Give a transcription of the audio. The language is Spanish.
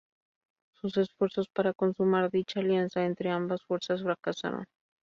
Sus esfuerzos para consumar dicha alianza entre ambas fuerzas fracasaron.